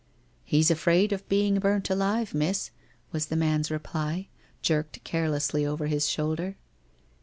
' He's afraid of being burnt alive, Miss,' was the man's reply, jerked carelessly over his shoulder.